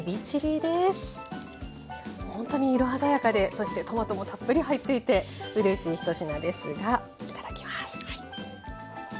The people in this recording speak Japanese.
本当に色鮮やかでそしてトマトもたっぷり入っていてうれしい１品ですがいただきます。